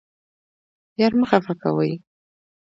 یار مه خفه کوئ